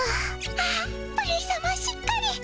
あっプリンさましっかり！